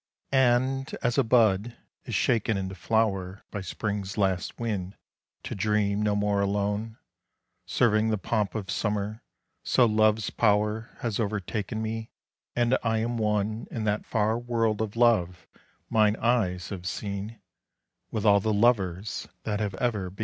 And as a bud is shaken into flower By spring's last wind to dream no more alone, Serving the pomp of summer, so love's power Has overtaken me, and I am one In that far world of love mine eyes have seen With all the lovers that have ever been.